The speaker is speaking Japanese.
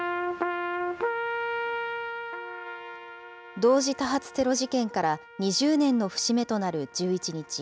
同時多発テロ事件から２０年の節目となる１１日。